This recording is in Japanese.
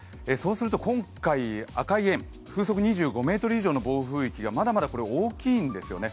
今回、赤い円、風速２５メートル以上の暴風域がまだまだ大きいんですよね。